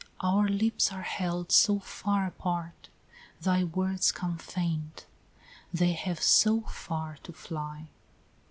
our lips are held so far apart, Thy words come faint, they have so far to fly!